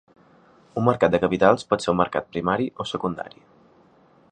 Un mercat de capitals pot ser un mercat primari o secundari.